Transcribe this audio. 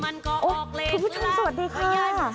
ทุกผู้ชมสวัสดีค่ะ